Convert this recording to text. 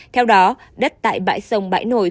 theo đó đất tại bãi sông bãi nổi